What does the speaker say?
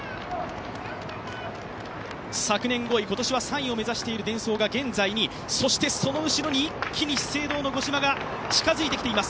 昨年５位、今年は優勝を目指している現在２位、その後ろに一気に資生堂の五島が近づいてきています。